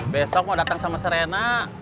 besok mau datang sama serena